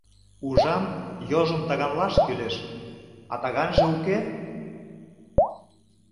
Ужам — йолжым таганлаш кӱлеш, а таганже уке.